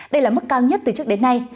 đây là mức cao nhất từ trước đến nay